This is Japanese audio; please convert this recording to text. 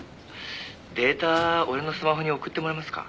「データ俺のスマホに送ってもらえますか？」